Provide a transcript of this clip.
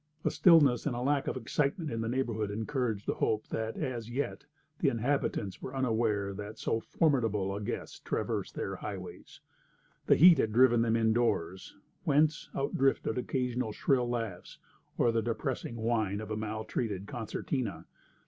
A stillness and lack of excitement in the neighbourhood encouraged the hope that, as yet, the inhabitants were unaware that so formidable a guest traversed their highways. The heat had driven them indoors, whence outdrifted occasional shrill laughs, or the depressing whine of a maltreated concertina.